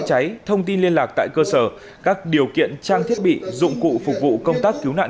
cháy thông tin liên lạc tại cơ sở các điều kiện trang thiết bị dụng cụ phục vụ công tác cứu nạn